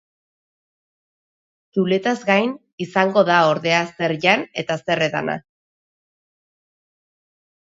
Txuletaz gain, izango da ordea, zer jan eta zer edana.